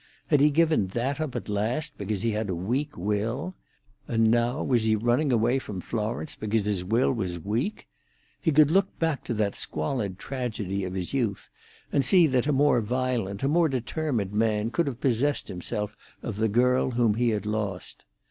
Had he given that up at last because he was a weak will? And now was he running away from Florence because his will was weak? He could look back to that squalid tragedy of his youth, and see that a more violent, a more determined man could have possessed himself of the girl whom he had lost.